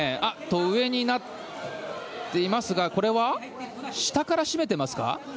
上になっていますがこれは下からしめてますか？